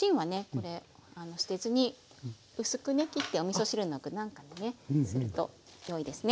これ捨てずに薄くね切っておみそ汁の具なんかにねするとよいですね。